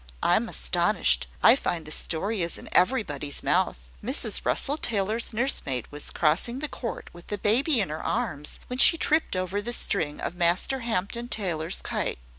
Well! I am astonished! I find the story is in everybody's mouth. Mrs Russell Taylor's nursemaid was crossing the court, with the baby in her arms, when she tripped over the string of Master Hampden Taylor's kite.